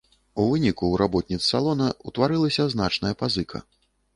У выніку ў работніц салона ўтварылася значная пазыка.